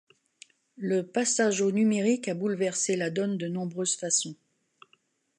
Le passage au numérique a bouleversé la donne de nombreuses façons.